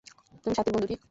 তুমি স্বাতীর বন্ধু, ঠিক?